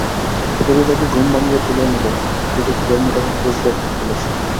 ফরিদাকে ঘুম ভাঙিয়ে তুলে এনে দেখেন, ফিরোজ ঘর মোটামুটি পরিষ্কার করে ফেলেছে।